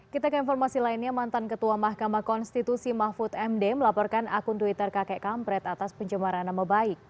kita ke informasi lainnya mantan ketua mahkamah konstitusi mahfud md melaporkan akun twitter kakek kampret atas pencemaran nama baik